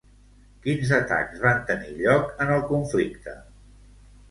Quins atacs van tenir lloc en el conflicte?